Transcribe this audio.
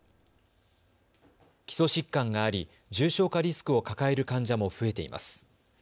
基礎疾患があり重症化リスクを抱える患者も増えています。